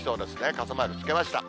傘マークつけました。